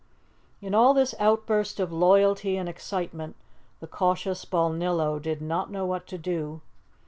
In all this outburst of loyalty and excitement the cautious Balnillo did not know what to do.